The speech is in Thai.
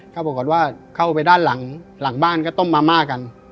ก็ปรากฏว่าเข้าไปด้านหลังหลังบ้านก็ต้มมาม่ากัน